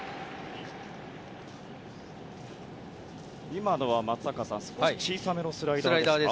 今のは松坂さん、少し小さめのスライダーですかね。